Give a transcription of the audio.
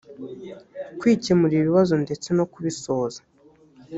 kwikemurira ibibazo ndetse no kubisoza